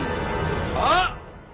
あっ！